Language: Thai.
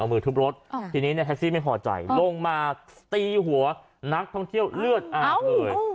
มือทุบรถทีนี้แท็กซี่ไม่พอใจลงมาตีหัวนักท่องเที่ยวเลือดอาบเลย